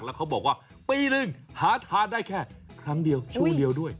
แล้วเขาบอกว่าปีหนึ่งหาทานได้แค่ครั้งเดียวช่วงเดียวด้วย